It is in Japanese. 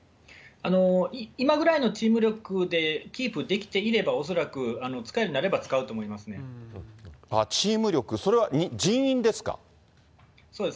今ぐらいのチーム力でキープできていれば恐らく使えるようにチーム力、それは人員ですかそうです。